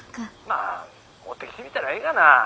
まあ持ってきてみたらええがな。